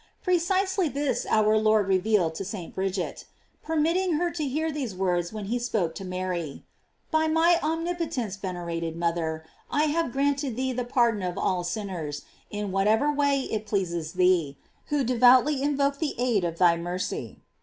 Precisely this our Lord revealed to St. Bridget; per mitting her to hear these words which he spoke to Mary: "By my omnipotence, venerated moth er, I have granted thee the pardon of all sin ners, in whatever way it pleases thee, who de voutly invoke the aid of thy mercy.